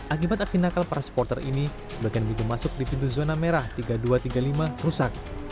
akibat aksi nakal para supporter ini sebagian pintu masuk di pintu zona merah tiga ribu dua ratus tiga puluh lima rusak